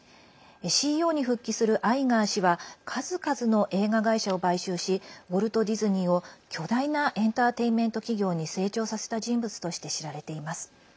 ＣＥＯに復帰するアイガー氏は数々の映画会社を買収しウォルト・ディズニーを巨大なエンターテインメント企業に成長させた人物として知られています。